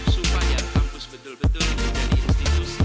supaya kampus betul betul menjadi institusi